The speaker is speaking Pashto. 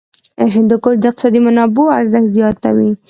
هندوکش د اقتصادي منابعو ارزښت زیاتوي.